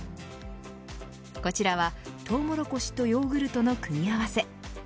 こちらは、とうもろこしとヨーグルトの組み合わせ